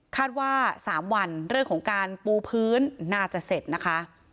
ว่า๓วันเรื่องของการปูพื้นน่าจะเสร็จนะคะ